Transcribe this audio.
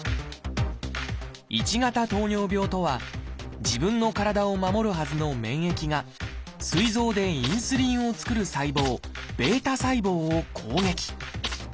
「１型糖尿病」とは自分の体を守るはずの免疫がすい臓でインスリンを作る細胞β細胞を攻撃。